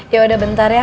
yaudah bentar ya